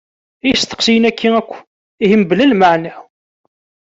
I yisteqsiyen-aki akk ihi mebla lmaɛna?